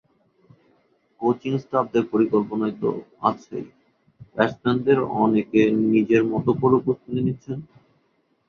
Coaching স্টাফদের পরিকল্পনা তো আছেই, ব্যাটসম্যানদের অনেকে নিজের মতো করেও প্রস্তুতি নিচ্ছেন।